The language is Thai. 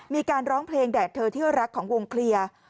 มีการร้องเพลงแดดเธอที่รักของวงเคลียร์